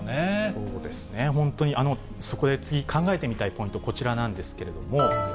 そうですね、本当に、そこで次、考えてみたいポイントこちらなんですけれども。